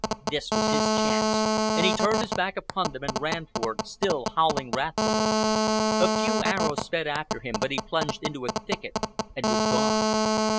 This was his chance, and he turned his back upon them and ran for it, still howling wrathfully. A few arrows sped after him, but he plunged into a thicket and was gone.